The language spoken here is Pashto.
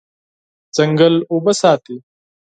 ځنګل اوبه ساتي.